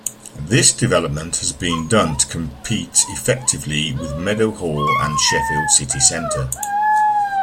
This development has been done to compete effectively with Meadowhall and Sheffield city centre.